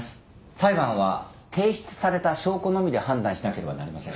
裁判は提出された証拠のみで判断しなければなりません。